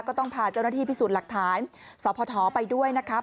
ก็ต้องพาเจ้าหน้าที่พิสูจน์หลักฐานสพไปด้วยนะครับ